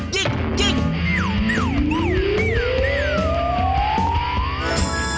ยิงยิง